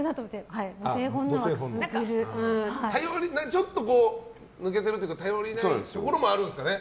ちょっと抜けているというか頼りないところもあるんですかね。